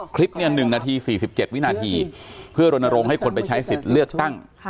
คลิป๑นาที๔๗วินาทีเพื่อรณรงค์ให้คนไปใช้สิทธิ์เลือกตั้ง